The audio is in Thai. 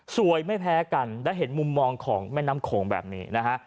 ไม่แพ้กันได้เห็นมุมมองของแม่น้ำโขงแบบนี้นะฮะ